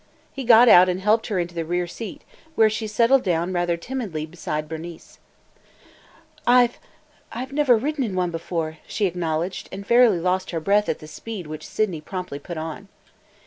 He got out and helped her into the rear seat, where she settled down rather timidly beside Bernice. "I 've – I 've never ridden in one before!" she acknowledged, and fairly lost her breath at the speed which Sydney promptly put on.